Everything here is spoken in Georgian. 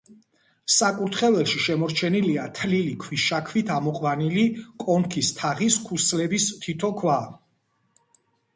საკურთხეველში შემორჩენილია თლილი ქვიშაქვით ამოყვანილი კონქის თაღის ქუსლების თითო ქვა.